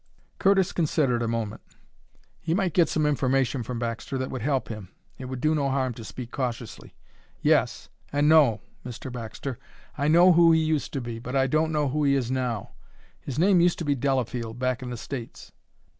Curtis considered a moment. He might get some information from Baxter that would help him; it would do no harm to speak cautiously. "Yes, and no, Mr. Baxter. I know who he used to be, but I don't know who he is now. His name used to be Delafield, back in the States."